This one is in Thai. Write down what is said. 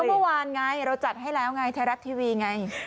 เมื่อวานไงเราจัดให้แล้วไงไทยรัฐทีวีไง